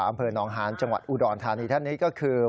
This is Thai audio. อำเภอหนองหานจังหวัดอุดรธานีท่านนี้ก็คือ